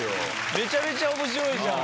めちゃめちゃ面白いじゃん！